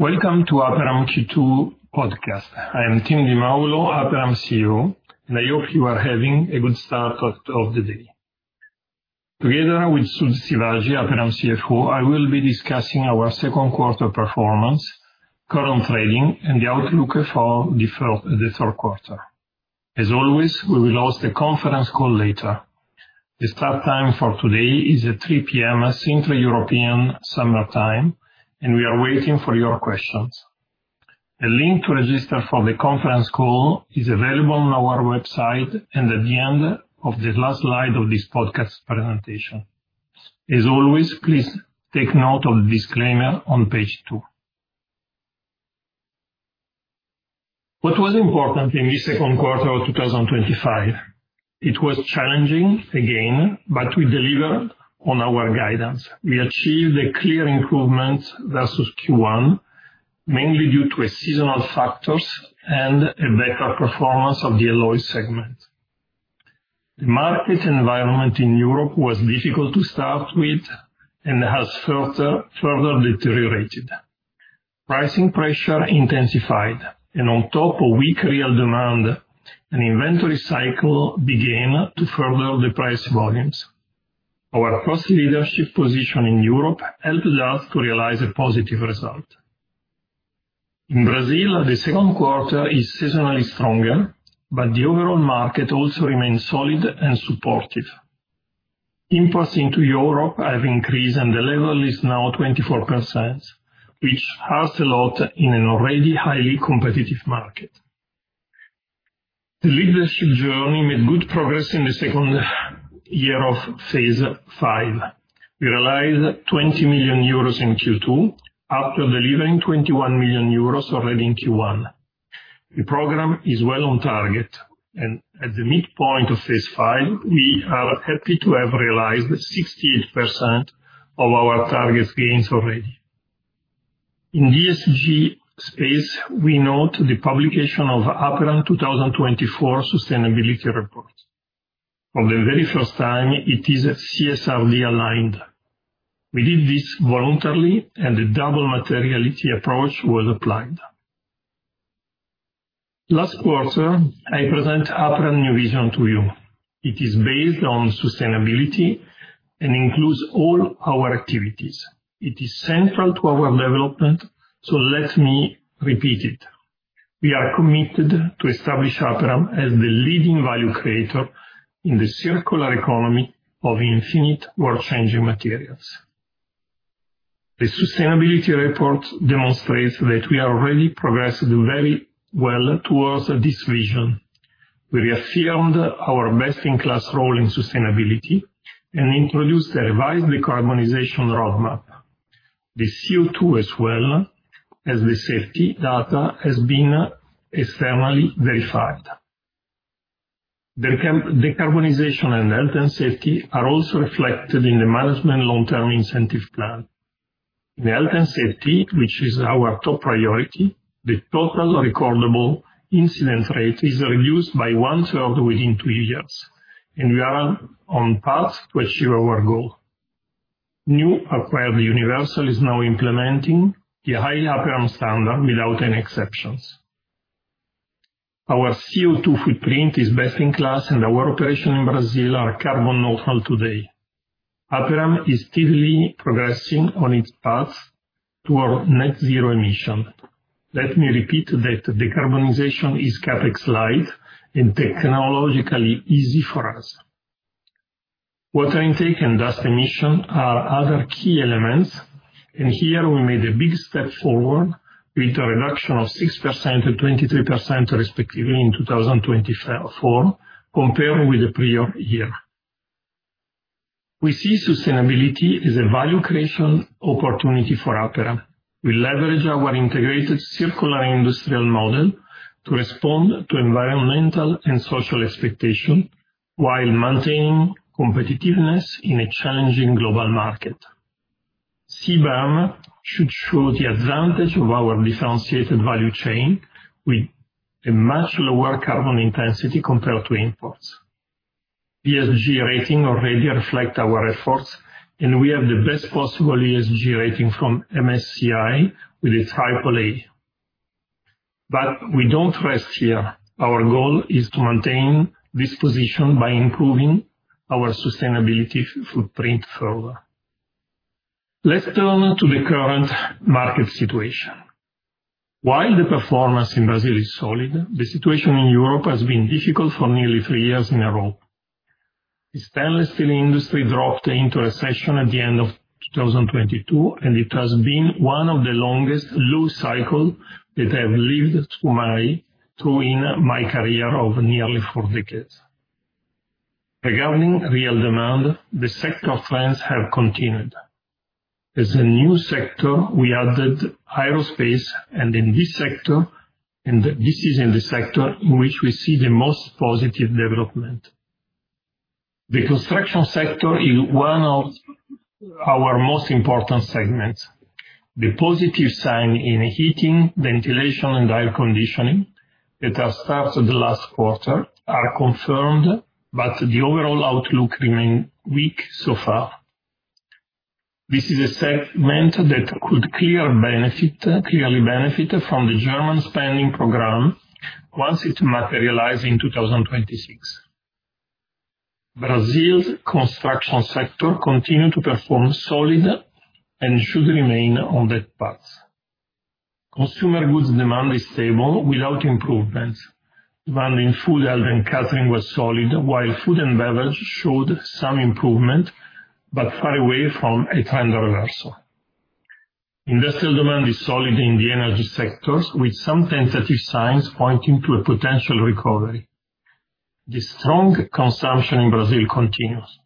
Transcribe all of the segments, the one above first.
Welcome to Aperam Q2 Podcast. I am Tim Di Maulo, Aperam CEO, and I hope you are having a good start of the day. Together with Sudh Sivaji, Aperam CFO, I will be discussing our second quarter performance, current trading, and the outlook for the third quarter. As always, we will host a conference call later. The start time for today is 3:00 P.M. Central European Summer Time, and we are waiting for your questions. A link to register for the conference call is available on our website and at the end of the last slide of this podcast presentation. As always, please take note of the disclaimer on page two. What was important in this second quarter of 2025? It was challenging again, but we delivered on our guidance. We achieved a clear improvement versus Q1, mainly due to seasonal factors and a better performance of the alloys segment. The market environment in Europe was difficult to start with and has further deteriorated. Pricing pressure intensified, and on top of weak real demand, an inventory cycle began to further the price volumes. Our cross-leadership position in Europe helped us to realize a positive result. In Brazil, the second quarter is seasonally stronger, but the overall market also remains solid and supportive. Imports into Europe have increased, and the level is now 24%, which helps a lot in an already highly competitive market. The leadership journey made good progress in the second year of phase v. realized 20 million euros in Q2 after delivering 21 million euros already in Q1. The program is well on target, and at the midpoint of phase v, we are happy to have realized 68% of our target gains already. In the ESG space, we note the publication of Aperam 2024 Sustainability Report. For the very first time, it is CSRD-aligned. We did this voluntarily, and the double materiality approach was applied. Last quarter, I present Aperam's new vision to you. It is based on sustainability and includes all our activities. It is central to our development, so let me repeat it. We are committed to establishing Aperam as the leading value creator in the circular economy of infinite world-changing materials. The sustainability report demonstrates that we have already progressed very well towards this vision. We reaffirmed our best-in-class role in sustainability and introduced a revised decarbonization roadmap. The CO2, as well as the safety data, has been externally verified. The decarbonization and health and safety are also reflected in the management long-term incentive plan. In health and safety, which is our top priority, the total recordable incident rate is reduced by one-third within two years, and we are on path to achieve our goal. Newly acquired Universal is now implementing the high Aperam standard without any exceptions. Our CO2 footprint is best in class, and our operation in Brazil is carbon neutral today. Aperam is steadily progressing on its path toward net zero emission. Let me repeat that decarbonization is CapEx-light and technologically easy for us. Water intake and dust emission are other key elements, and here we made a big step forward with a reduction of 6% and 23%, respectively, in 2024 compared with the prior year. We see sustainability as a value creation opportunity for Aperam. We leverage our integrated circular industrial model to respond to environmental and social expectations while maintaining competitiveness in a challenging global market. CBAM should show the advantage of our differentiated value chain with a much lower carbon intensity compared to imports. ESG rating already reflects our efforts, and we have the best possible ESG rating from MSCI with a triple A. We do not rest here. Our goal is to maintain this position by improving our sustainability footprint further. Let's turn to the current market situation. While the performance in Brazil is solid, the situation in Europe has been difficult for nearly three years in a row. The stainless steel industry dropped into recession at the end of 2022, and it has been one of the longest low cycles that I have lived through in my career of nearly four decades. Regarding real demand, the sector trends have continued. As a new sector, we added aerospace, and in this sector, and this is in the sector in which we see the most positive development. The construction sector is one of our most important segments. The positive signs in heating, ventilation, and air conditioning that have started last quarter are confirmed, but the overall outlook remains weak so far. This is a segment that could clearly benefit from the German spending program once it materializes in 2026. Brazil's construction sector continues to perform solid and should remain on that path. Consumer goods demand is stable without improvements. Demand in food, health, and catering was solid, while food and beverage showed some improvement but far away from a trend reversal. Industrial demand is solid in the energy sectors, with some tentative signs pointing to a potential recovery. The strong consumption in Brazil continues.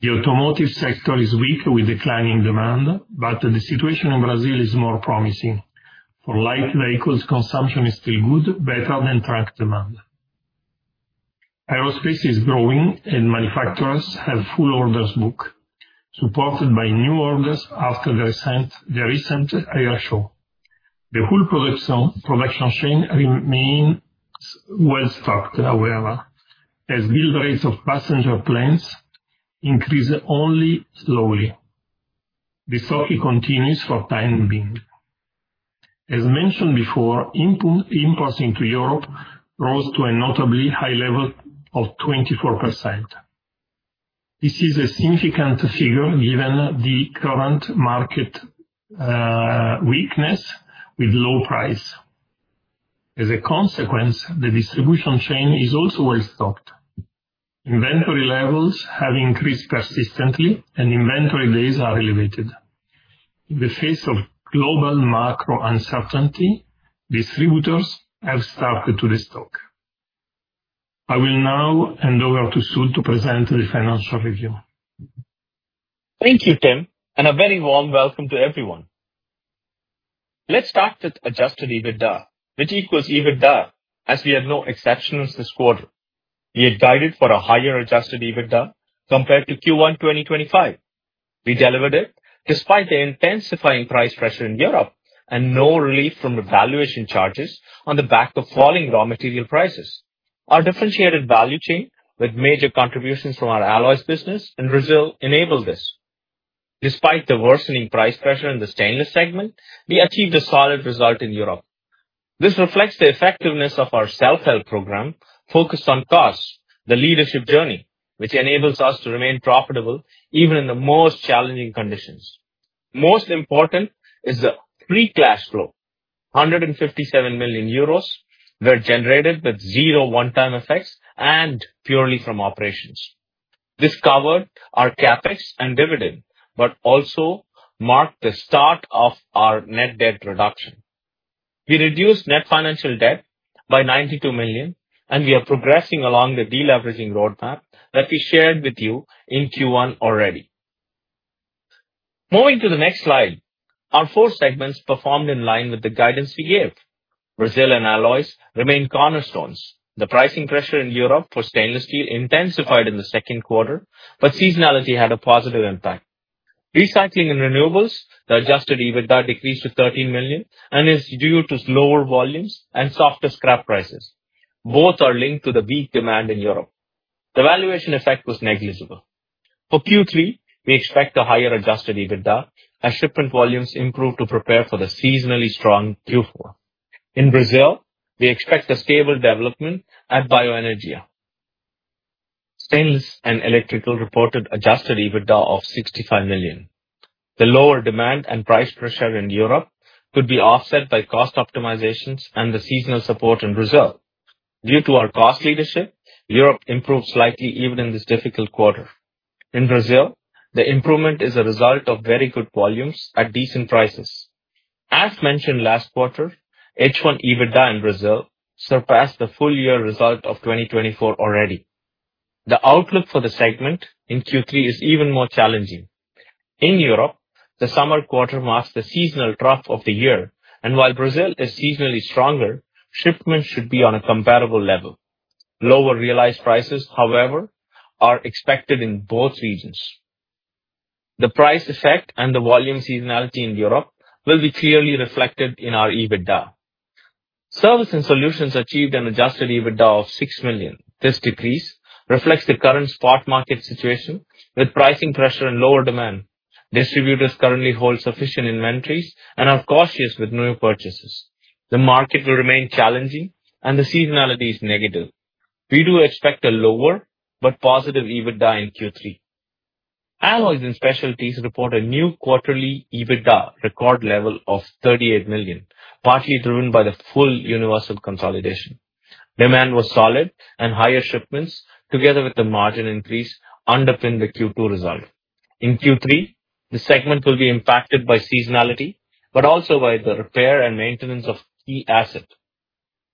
The automotive sector is weak with declining demand, but the situation in Brazil is more promising. For light vehicles, consumption is still good, better than truck demand. Aerospace is growing, and manufacturers have full orders booked, supported by new orders after the recent air show. The whole production chain remains well stocked, however, as build rates of passenger planes increase only slowly. The stock continues for the time being. As mentioned before, imports into Europe rose to a notably high level of 24%. This is a significant figure given the current market weakness with low price. As a consequence, the distribution chain is also well stocked. Inventory levels have increased persistently, and inventory days are elevated. In the face of global macro uncertainty, distributors have stuck to the stock. I will now hand over to Sudh to present the financial review. Thank you, Tim, and a very warm welcome to everyone. Let's start with adjusted EBITDA, which equals EBITDA, as we had no exceptions this quarter. We had guided for a higher adjusted EBITDA compared to Q1 2025. We delivered it despite the intensifying price pressure in Europe and no relief from the valuation charges on the back of falling raw material prices. Our differentiated value chain, with major contributions from our Alloys business in Brazil, enabled this. Despite the worsening price pressure in the stainless segment, we achieved a solid result in Europe. This reflects the effectiveness of our self-help program focused on cost, the Leadership journey, which enables us to remain profitable even in the most challenging conditions. Most important is the free cash flow. 157 million euros. Were generated with zero one-time effects and purely from operations. This covered our CapEx and dividend, but also. Marked the start of our net debt reduction. We reduced net financial debt by 92 million, and we are progressing along the deleveraging roadmap that we shared with you in Q1 already. Moving to the next slide, our four segments performed in line with the guidance we gave. Brazil and alloys remained cornerstones. The pricing pressure in Europe for stainless steel intensified in the second quarter, but seasonality had a positive impact. Recycling and renewables, the adjusted EBITDA decreased to 13 million and is due to lower volumes and softer scrap prices. Both are linked to the weak demand in Europe. The valuation effect was negligible. For Q3, we expect a higher adjusted EBITDA as shipment volumes improve to prepare for the seasonally strong Q4. In Brazil, we expect a stable development at Bioenergia. Stainless and electrical reported adjusted EBITDA of 65 million. The lower demand and price pressure in Europe could be offset by cost optimizations and the seasonal support and reserve. Due to our cost leadership, Europe improved slightly even in this difficult quarter. In Brazil, the improvement is a result of very good volumes at decent prices. As mentioned last quarter, H1 EBITDA in Brazil surpassed the full-year result of 2024 already. The outlook for the segment in Q3 is even more challenging. In Europe, the summer quarter marks the seasonal trough of the year, and while Brazil is seasonally stronger, shipments should be on a comparable level. Lower realized prices, however, are expected in both regions. The price effect and the volume seasonality in Europe will be clearly reflected in our EBITDA. Service and solutions achieved an adjusted EBITDA of 6 million. This decrease reflects the current spot market situation with pricing pressure and lower demand. Distributors currently hold sufficient inventories and are cautious with new purchases. The market will remain challenging, and the seasonality is negative. We do expect a lower but positive EBITDA in Q3. Alloys and specialties report a new quarterly EBITDA record level of 38 million, partly driven by the full Universal consolidation. Demand was solid, and higher shipments, together with the margin increase, underpinned the Q2 result. In Q3, the segment will be impacted by seasonality but also by the repair and maintenance of key assets.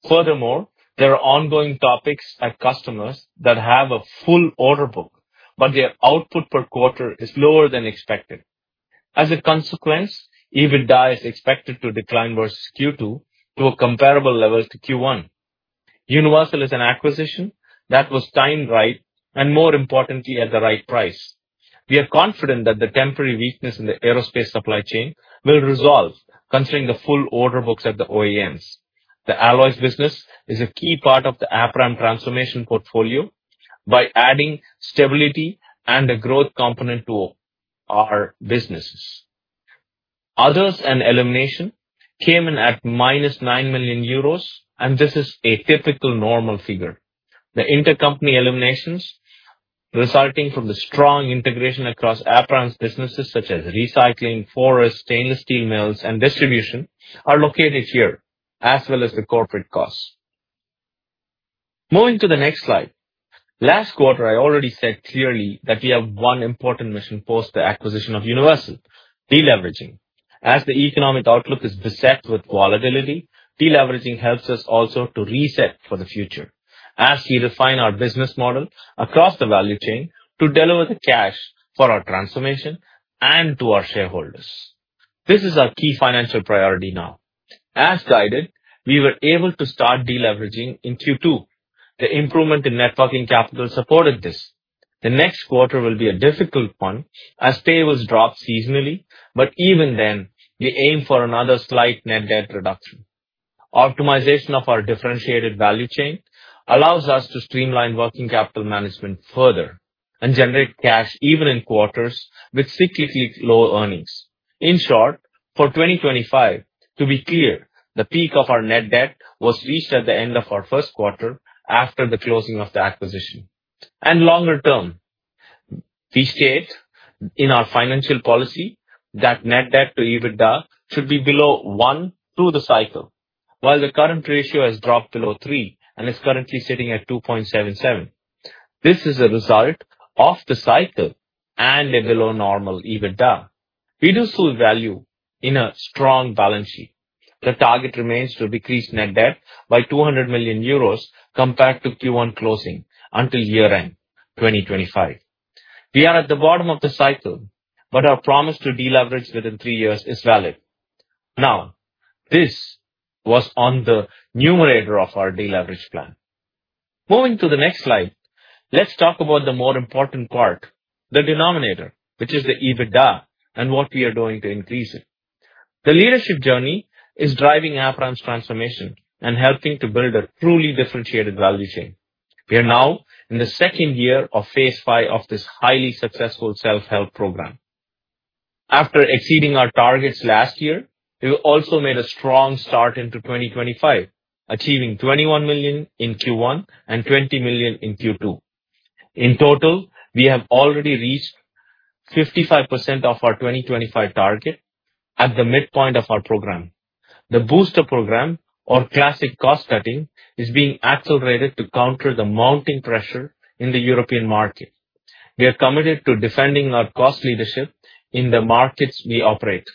Furthermore, there are ongoing topics at customers that have a full order book, but their output per quarter is lower than expected. As a consequence, EBITDA is expected to decline versus Q2 to a comparable level to Q1. Universal is an acquisition that was timed right and, more importantly, at the right price. We are confident that the temporary weakness in the aerospace supply chain will resolve concerning the full order books at the OEMs. The alloys business is a key part of the Aperam transformation portfolio by adding stability and a growth component to our businesses. Others and elimination came in at 9 million euros, and this is a typical normal figure. The intercompany eliminations resulting from the strong integration across Aperam's businesses such as recycling, forest, stainless steel mills, and distribution are located here, as well as the corporate costs. Moving to the next slide. Last quarter, I already said clearly that we have one important mission post the acquisition of Universal: deleveraging. As the economic outlook is beset with volatility, deleveraging helps us also to reset for the future as we refine our business model across the value chain to deliver the cash for our transformation and to our shareholders. This is our key financial priority now. As guided, we were able to start deleveraging in Q2. The improvement in net working capital supported this. The next quarter will be a difficult one as payables drop seasonally, but even then, we aim for another slight net debt reduction. Optimization of our differentiated value chain allows us to streamline working capital management further and generate cash even in quarters with cyclically low earnings. In short, for 2025, to be clear, the peak of our net debt was reached at the end of our first quarter after the closing of the acquisition. Longer term, we state in our financial policy that net debt to EBITDA should be below one through the cycle, while the current ratio has dropped below three and is currently sitting at 2.77. This is a result of the cycle and a below normal EBITDA. We do still value in a strong balance sheet. The target remains to decrease net debt by 200 million euros compared to Q1 closing until year-end 2025. We are at the bottom of the cycle, but our promise to deleverage within three years is valid. Now, this was on the numerator of our deleverage plan. Moving to the next slide, let's talk about the more important part, the denominator, which is the EBITDA and what we are doing to increase it. The leadership journey is driving Aperam's transformation and helping to build a truly differentiated value chain. We are now in the second year of phase v of this highly successful self-help program. After exceeding our targets last year, we also made a strong start into 2025, achieving 21 million in Q1 and 20 million in Q2. In total, we have already reached 55% of our 2025 target at the midpoint of our program. The booster program, or classic cost cutting, is being accelerated to counter the mounting pressure in the European market. We are committed to defending our cost leadership in the markets we operate.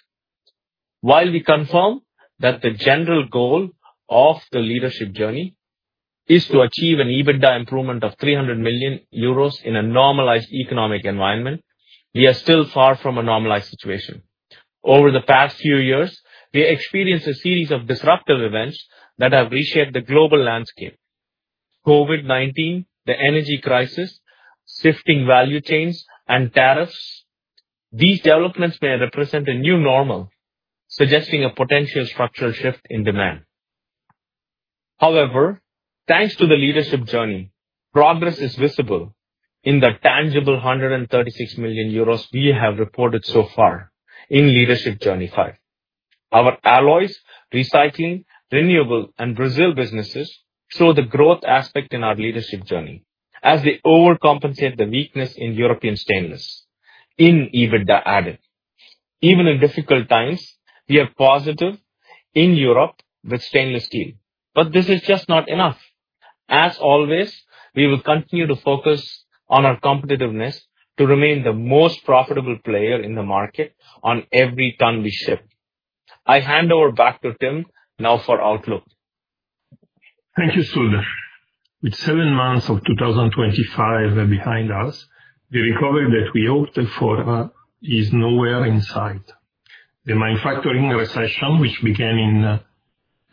While we confirm that the general goal of the leadership journey is to achieve an EBITDA improvement of 300 million euros in a normalized economic environment, we are still far from a normalized situation. Over the past few years, we experienced a series of disruptive events that have reshaped the global landscape. COVID-19, the energy crisis, shifting value chains, and tariffs. These developments may represent a new normal, suggesting a potential structural shift in demand. However, thanks to the leadership journey, progress is visible in the tangible 136 million euros we have reported so far in leadership journey five. Our alloys, recycling, renewable, and Brazil businesses show the growth aspect in our leadership journey as they overcompensate the weakness in European stainless in EBITDA added. Even in difficult times, we are positive in Europe with stainless steel, but this is just not enough. As always, we will continue to focus on our competitiveness to remain the most profitable player in the market on every ton we ship. I hand over back to Tim now for outlook. Thank you, Sudh. With seven months of 2025 behind us, the recovery that we hoped for is nowhere in sight. The manufacturing recession, which began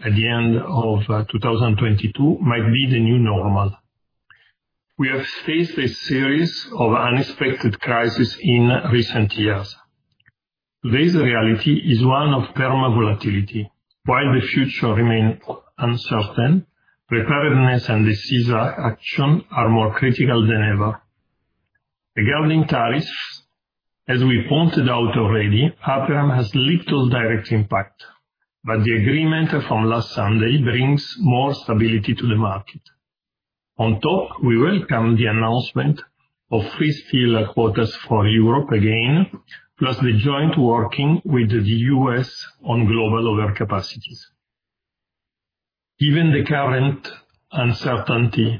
at the end of 2022, might be the new normal. We have faced a series of unexpected crises in recent years. Today's reality is one of perma volatility. While the future remains uncertain, preparedness and decisive action are more critical than ever. Regarding tariffs, as we pointed out already, Aperam has little direct impact, but the agreement from last Sunday brings more stability to the market. On top, we welcome the announcement of free steel quotas for Europe again, plus the joint working with the U.S. on global overcapacities. Given the current uncertainty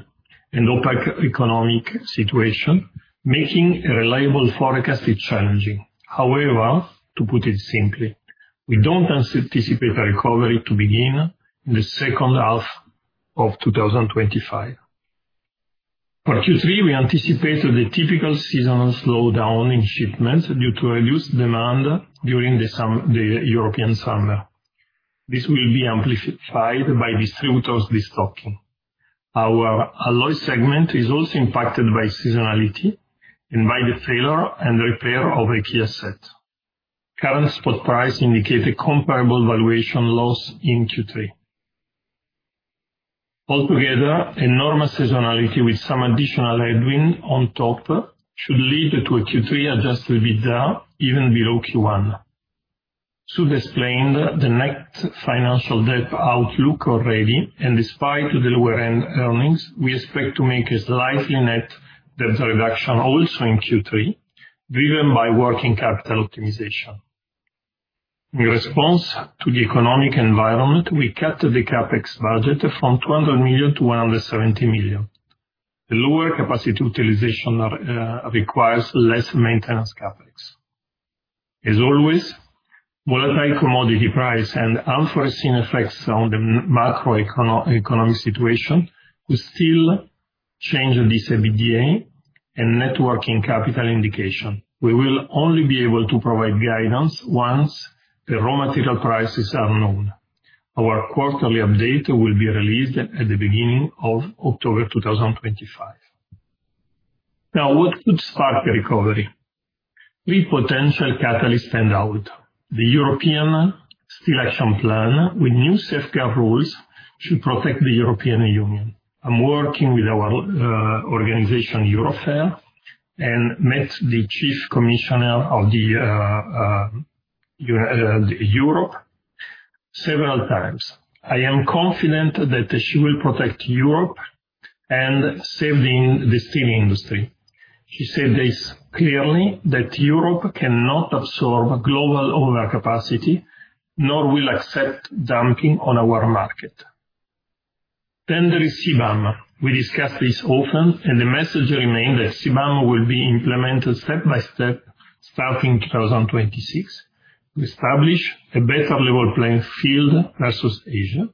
and opaque economic situation, making a reliable forecast is challenging. However, to put it simply, we don't anticipate a recovery to begin in the second half of 2025. For Q3, we anticipate the typical seasonal slowdown in shipments due to reduced demand during the European summer. This will be amplified by distributors' restocking. Our alloys segment is also impacted by seasonality and by the failure and repair of a key asset. Current spot price indicates a comparable valuation loss in Q3. Altogether, enormous seasonality, with some additional headwind on top, should lead to a Q3 adjusted EBITDA even below Q1. Sudh explained the net financial debt outlook already, and despite the lower-end earnings, we expect to make a slight net debt reduction also in Q3, driven by working capital optimization. In response to the economic environment, we cut the CapEx budget from 200 million-170 million. The lower capacity utilization requires less maintenance CapEx. As always, volatile commodity price and unforeseen effects on the macroeconomic situation will still change this EBITDA and net working capital indication. We will only be able to provide guidance once the raw material prices are known. Our quarterly update will be released at the beginning of October 2025. What could spark the recovery? Three potential catalysts stand out. The European Steel Action Plan, with new safeguard rules, should protect the European Union. I'm working with our organization, Eurofer, and met the Chief Commissioner of Europe several times. I am confident that she will protect Europe and save the steel industry. She said thiis clearly, that Europe cannot absorb global overcapacity, nor will it accept dumping on our market. There is CBAM. We discussed this often, and the message remained that CBAM will be implemented step by step starting 2026 to establish a better level playing field versus Asia.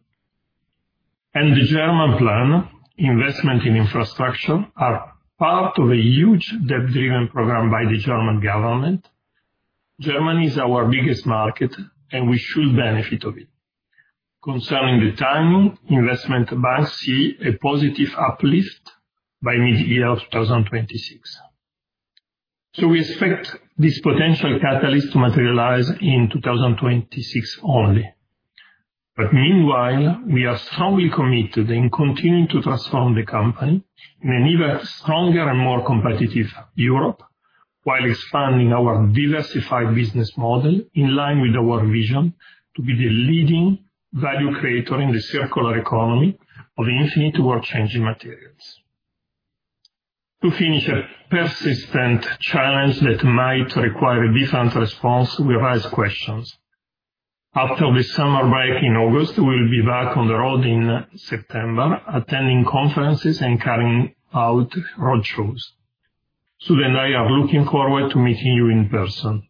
The German plan, investment in infrastructure, is part of a huge debt-driven program by the German government. Germany is our biggest market, and we should benefit from it. Concerning the timing, investment banks see a positive uplift by mid-year 2026. We expect this potential catalyst to materialize in 2026 only. Meanwhile, we are strongly committed to continuing to transform the company in an even stronger and more competitive Europe while expanding our diversified business model in line with our vision to be the leading value creator in the circular economy of infinite world-changing materials. To finish, a persistent challenge that might require a different response, we raise questions. After the summer break in August, we will be back on the road in September, attending conferences and carrying out roadshows. Sudh and I are looking forward to meeting you in person.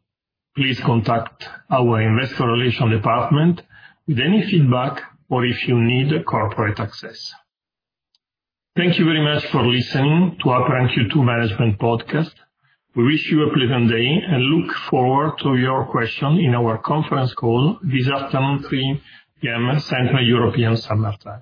Please contact our investor relation department with any feedback or if you need corporate access. Thank you very much for listening to Aperam Q2 Management Podcast. We wish you a pleasant day and look forward to your questions in our conference call this afternoon at 3:00 P.M. Central European Summer Time.